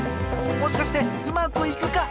もしかしてうまくいくか！？